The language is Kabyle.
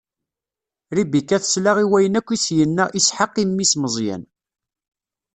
Ribika tesla i wayen akk i s-inna Isḥaq i mmi-s Meẓyan.